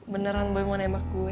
beneran boy mau nembak gue